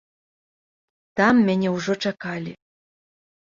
Там мяне ўжо чакалі.